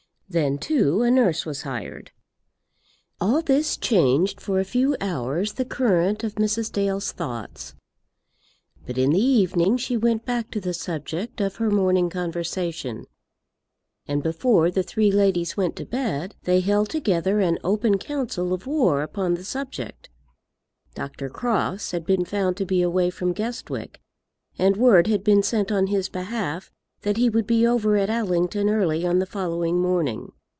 Then, too, a nurse was hired. All this changed for a few hours the current of Mrs. Dale's thoughts: but in the evening she went back to the subject of her morning conversation, and before the three ladies went to bed, they held together an open council of war upon the subject. Dr. Crofts had been found to be away from Guestwick, and word had been sent on his behalf that he would be over at Allington early on the following morning.